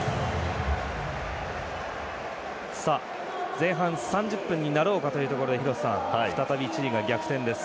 前半３０分になろうかというところで再びチリが逆転です。